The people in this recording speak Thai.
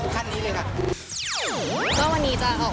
ขั้นนี้เลยค่ะ